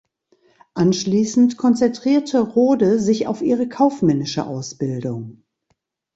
Anschließend konzentrierte Rohde sich auf ihre kaufmännische Ausbildung.